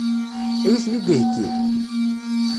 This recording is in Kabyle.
Ad iyi-ten-id-iheggi?